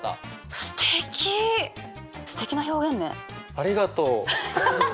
ありがとう。